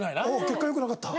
結果良くなかった。